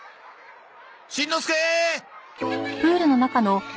しんのすけー！